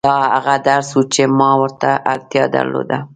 دا هغه درس و چې ما ورته اړتيا درلوده.